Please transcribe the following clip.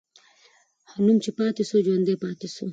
نوم چې پاتې سو، ژوندی پاتې سو.